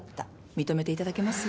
認めていただけます？